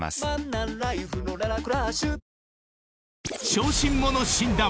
［小心者診断！